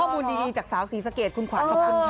ข้อมูลดีจากสาวสีสะเกียจคุณขวัญขอบคุณค่ะ